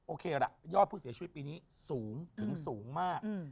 โอเคล่ะยอดผู้เสียชีวิตปีนี้สูงถึงสูงมาก